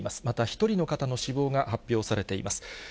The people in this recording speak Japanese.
また１人の方の死亡が発表されています。